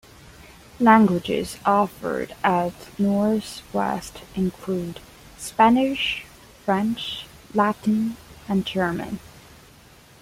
Languages offered at Northwest include Spanish, French, Latin, and German.